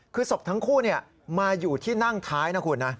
คือศพทั้งคู่มาอยู่ที่นั่งท้ายนะคุณนะ